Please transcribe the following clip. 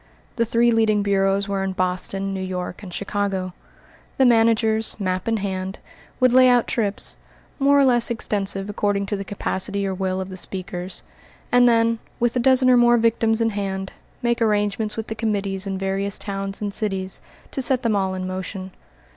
The three leading bureaus were in Boston, New York, and Chicago. The managers, map in hand, would lay out trips, more or less extensive according to the capacity or will of the speakers, and then, with a dozen or more victims in hand, make arrangements with the committees in various towns and cities to set them all in motion.